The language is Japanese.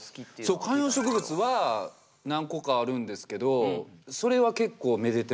そう観葉植物は何個かあるんですけどそれは結構めでてますね。